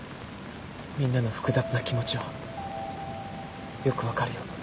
みんなの複雑な気持ちはよく分かるよ